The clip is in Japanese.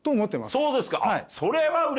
そうですか。